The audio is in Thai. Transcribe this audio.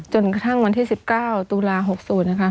จนกระทั่งวันที่๑๙ตุลา๖๐นะคะ